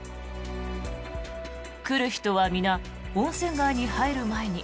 来る人は皆、温泉街に入る前に